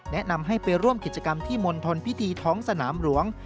แนะนำให้ไปร่วมกิจกรรมที่มณฑลพิธีท้องสนามหลวง